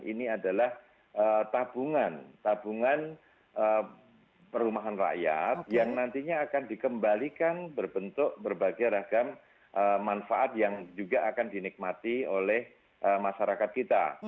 ini adalah tabungan tabungan perumahan rakyat yang nantinya akan dikembalikan berbentuk berbagai ragam manfaat yang juga akan dinikmati oleh masyarakat kita